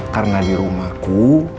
karena di rumahku